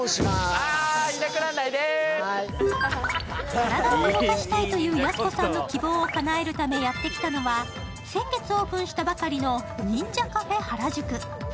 体を動かしたいというやす子さんの希望をかなえるためやってきたのは、先月オープンしたばかりの忍者カフェ原宿。